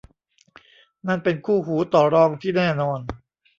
นั่นเป็นคู่หูต่อรองที่แน่นอน